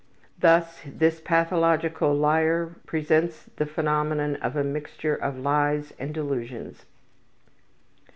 Thus this pathological liar presents the phenomenon of a mixture of lies and delusions.